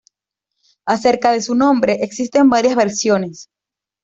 Acerca de su nombre existen varias versiones.